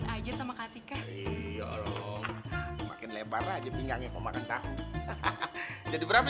aja sama patternsunky orang makin lebar aja pinggangnya mau makan tahu hahaha jadi berapa